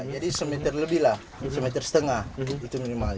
jadi semeter lebih lah semeter setengah itu minimal